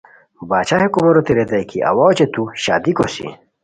باچھا ہے کوموروتے ریتائے کی اوا اوچے تو شادی کوسی